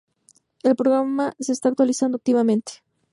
El programa se está actualizando activamente.